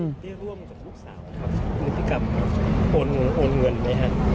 ที่ร่วมกับลูกสาวครับคุณพี่กำโอนเงินไหมฮะ